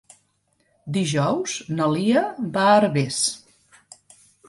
Dijous na Lia va a Herbers.